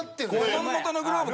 元々のグローブ